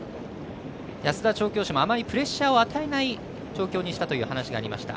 安田調教師もあまりプレッシャーを与えない調教にしたという話がありました。